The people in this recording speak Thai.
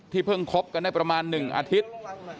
เพิ่งคบกันได้ประมาณ๑อาทิตย์